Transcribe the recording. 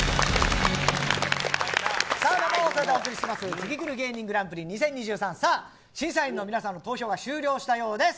ツギクル芸人グランプリ２０２３審査員の皆さんの投票が終了したようです。